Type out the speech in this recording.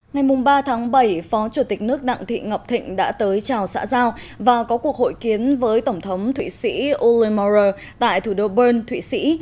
ngày ba bảy phó chủ tịch nước đặng thị ngọc thịnh đã tới chào xã giao và có cuộc hội kiến với tổng thống thụy sĩ ole marre tại thủ đô bern thụy sĩ